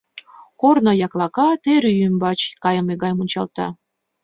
Корно яклака, тер ӱй ӱмбач кайыме гай мунчалта.